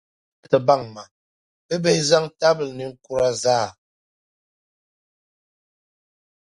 Bɛ zaa ni ti baŋ ma, bibihi zaŋ tabili ninkura zaa.